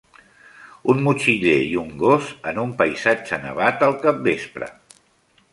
Un motxiller i un gos en un paisatge nevat al capvespre.